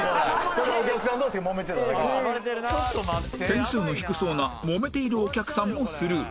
点数の低そうなもめているお客さんもスルー